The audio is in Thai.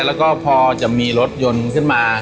แล้วก็พอจะมีรถยนต์ขึ้นมา